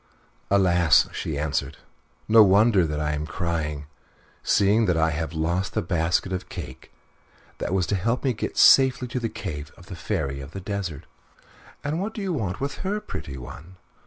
"Alas!" she answered; "no wonder that I am crying, seeing that I have lost the basket of cake that was to help me to get safely to the cave of the Fairy of the Desert." "And what do you want with her, pretty one?"